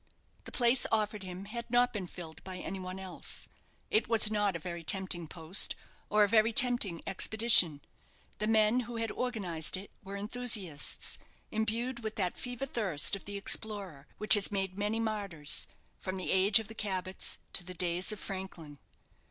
The place offered him had not been filled by any one else. It was not a very tempting post, or a very tempting expedition. The men who had organized it were enthusiasts, imbued with that fever thirst of the explorer which has made many martyrs, from the age of the Cabots to the days of Franklin.